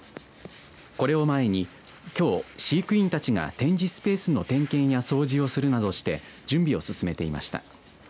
これを前にきょう、飼育員たちが展示スペースの点検や掃除をするなどして準備を進めていました。